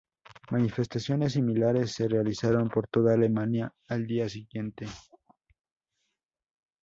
Manifestaciones similares se realizaron por toda Alemania al día siguiente.